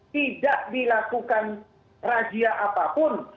tidak dilakukan rajia apapun